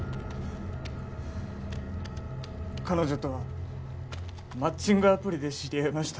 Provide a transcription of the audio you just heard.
彼女とはマッチングアプリで知り合いました。